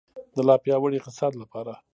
د لا پیاوړي اقتصاد لپاره.